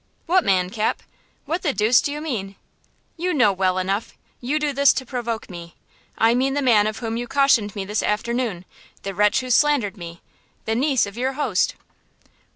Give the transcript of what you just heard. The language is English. "What man, Cap–what the deuce do you mean?" "You know well enough–you do this to provoke me! I mean the man of whom you cautioned me this afternoon–the wretch who slandered me–the niece of your host!"